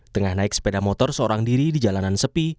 tengah naik sepeda motor seorang diri di jalanan sepi